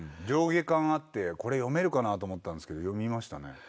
上下巻あってこれ読めるかなと思ったんすけど読みましたね。